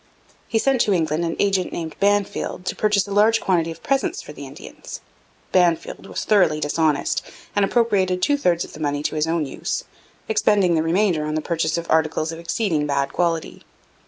He sent to England an agent named Bannfield to purchase a large quantity of presents for the Indians. Bannfield was thoroughly dishonest, and appropriated two thirds of the money to his own use, expending the remainder on the purchase of articles of 'exceeding bad quality.'